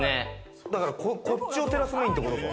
こっちを照らすメインってことか。